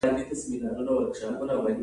دا د ټریننګونو او ورکشاپونو له لارې کیږي.